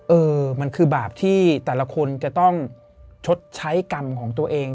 เออมันคือบาปที่แต่ละคนจะต้องชดใช้กรรมของตัวเอง